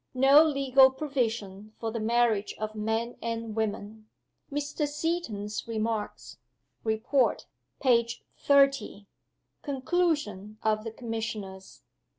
No legal provision for the marriage of men and women. Mr. Seeton's Remarks. Report, page XXX. Conclusion of the Commissioners.